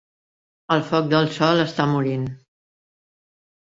El foc del sol està morint.